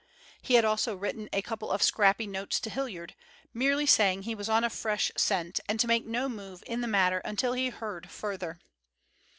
He had also written a couple of scrappy notes to Hilliard, merely saying he was on a fresh scent, and to make no move in the matter until he heard further.